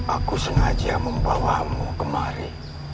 aku sengaja membawamu kemari